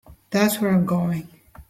That's where I'm going.